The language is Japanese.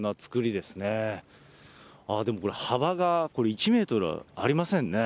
でもこれ、幅がこれ、１メートルありませんね。